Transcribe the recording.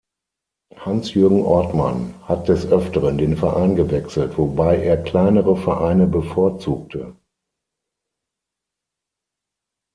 Hans-Jürgen Orthmann hat des Öfteren den Verein gewechselt, wobei er kleinere Vereine bevorzugte.